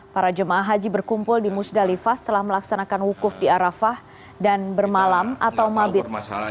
para jemaah haji berkumpul di musdalifah setelah melaksanakan wukuf di arafah dan bermalam atau mabit